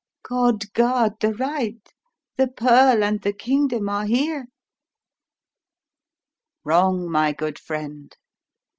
'God guard the right' the pearl and the kingdom are here." "Wrong, my good friend.